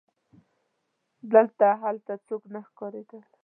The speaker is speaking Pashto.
دلته هلته څوک نه ښکارېدل.